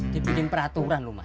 dibikin peraturan luh mas